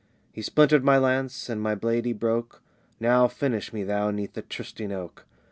"He splintered my lance, and my blade he broke Now finish me, thou, 'neath the trysting oak!"